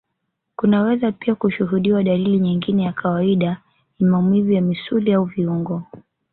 kunaweza pia kushuhudiwa dalili nyingine ya kawaida ni maumivu ya misuli au viungo